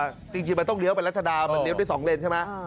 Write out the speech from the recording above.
จริงมันต้องเลี้ยเป็นรัชดามันเลี้ยได้๒เลนใช่ไหม